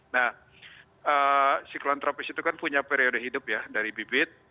nah siklon tropis itu kan punya periode hidup ya dari bibit